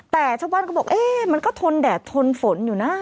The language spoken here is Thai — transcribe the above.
แต่ชาวบ้านก็บอกเอ๊ะมันก็ทนแดดทนฝนอยู่นะ